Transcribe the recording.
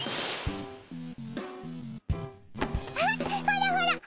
あっほらほら。